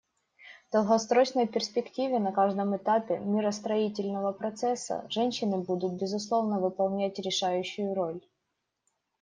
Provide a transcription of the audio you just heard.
В долгосрочной перспективе на каждом этапе миростроительного процесса женщины будут, безусловно, выполнять решающую роль.